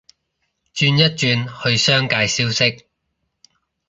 轉一轉去商界消息